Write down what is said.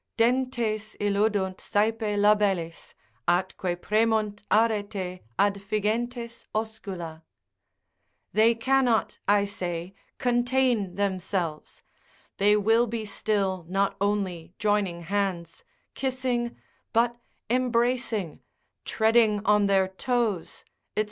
———dentes illudunt saepe labellis, Atque premunt arete adfigentes oscula——— They cannot, I say, contain themselves, they will be still not only joining hands, kissing, but embracing, treading on their toes, &c.